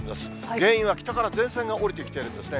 原因は北から前線が降りてきてるんですね。